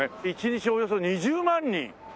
１日およそ２０万人？